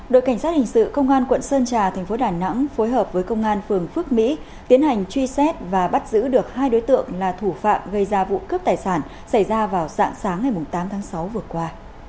đội cảnh sát hình sự công an quận sơn trà thành phố đà nẵng phối hợp với công an phường phước mỹ tiến hành truy xét và bắt giữ được hai đối tượng là thủ phạm gây ra vụ cướp tài sản xảy ra vào dạng sáng ngày tám tháng sáu vừa qua